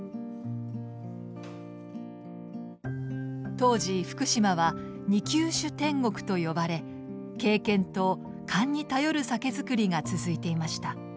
当時福島は「二級酒天国」と呼ばれ経験と勘に頼る酒造りが続いていました。